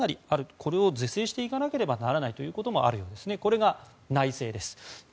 これを是正していかなければならないということもあるそうですね。